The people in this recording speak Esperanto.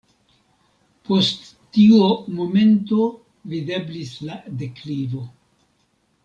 Post tio momento videblis la deklivo.